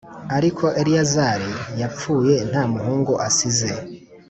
Ariko Eleyazari yapfuye nta muhungu asize